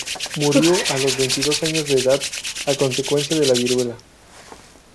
Murió a los veintidós años de edad a consecuencia de la viruela.